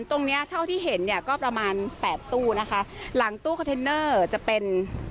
ตรงเนี้ยเท่าที่เห็นเนี่ยก็ประมาณแปดตู้นะคะหลังตู้คอนเทนเนอร์จะเป็น